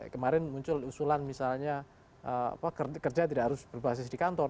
kemarin muncul usulan misalnya kerja tidak harus berbasis di kantor